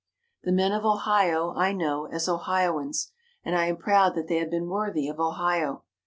"The men of Ohio I know as Ohioans, and I am proud that they have been worthy of Ohio.